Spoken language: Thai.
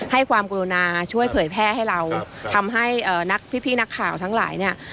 ให้ความกรุณาช่วยเผยแพร่ให้เราทำให้เอ่อนักพี่นักข่าวทั้งหลายเนี่ย